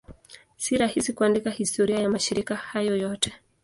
Si rahisi kuandika historia ya mashirika hayo yote.